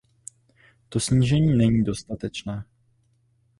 To snížení není dostatečné.